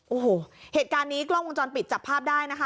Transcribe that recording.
โอ้โหเหตุการณ์นี้กล้องวงจรปิดจับภาพได้นะคะ